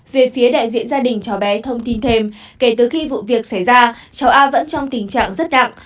về phía đại diện gia đình cháu bé thông tin thêm kể từ khi vụ việc xảy ra cháu a vẫn trong tình trạng rất nặng